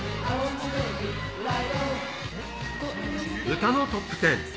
歌のトップテン。